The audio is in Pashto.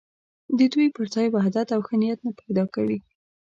د دوی پر ځای وحدت او ښه نیت نه پیدا کوي.